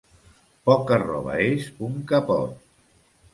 Poca roba és un capot.